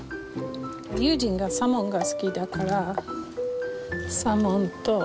悠仁がサーモンが好きだからサーモンとタラ。